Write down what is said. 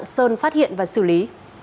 sơn phát hiện và xử lý